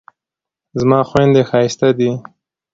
زما خویندې ښایستې دي